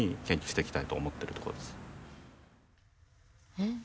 えっ？